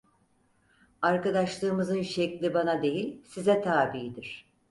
Arkadaşlığımızın şekli bana değil, size tabidir.